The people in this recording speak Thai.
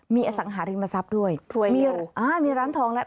มีอสังหาริมทรัพย์ด้วยมีร้านทองแล้ว